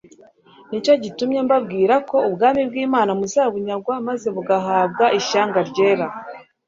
Nicyo gitumye mbabwira ko ubwami bw’Imana muzabunyagwa maze bugahabwa ishyanga ryera